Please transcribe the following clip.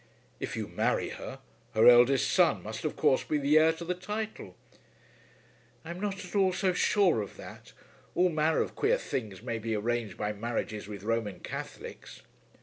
"If you marry her, her eldest son must of course be the heir to the title." "I am not at all so sure of that. All manner of queer things may be arranged by marriages with Roman Catholics."